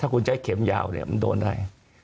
คุณใช้เข็มยาวเนี่ยมันโดนได้